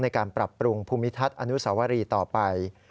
ในการปรับปรุงภูมิทัศน์อนุสวรีต่อไป